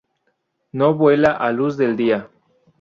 No vuela a la luz del día.